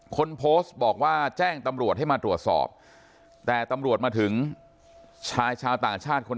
คนโพสต์บอกว่าแจ้งตำรวจให้มาตรวจสอบแต่ตำรวจมาถึงชายชาวต่างชาติคน